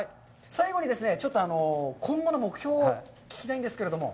最後に、ちょっと今後の目標を聞きたいんですけれども。